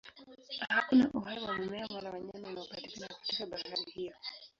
Hakuna uhai wa mimea wala wanyama unaopatikana katika bahari hiyo.